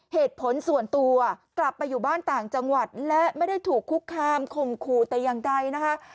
เหตุผลส่วนตัวกลับไปอยู่บ้านต่างจังหวัดและไม่ได้ถูกคุกคามข่มขู่แต่อย่างใดนะคะ